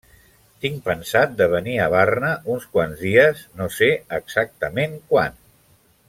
Tinc pensat de venir a Barna uns quants dies, no sé exactament quan.